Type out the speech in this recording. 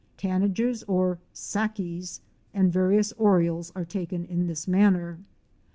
'Tanagers or " sackies "' and various Orioles are taken in this manner.